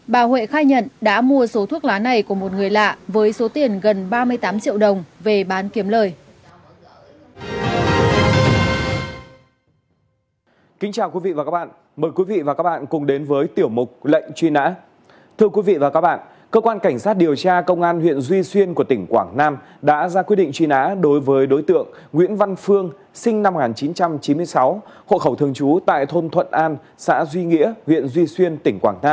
bà huệ khai nhận đã mua số thuốc lá này của một người lạ với số tiền gần ba mươi tám triệu đồng về bán kiếm lời